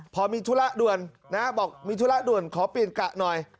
พอมีธุระด่วนนะบอกมีธุระด่วนขอเปลี่ยนกะหน่อย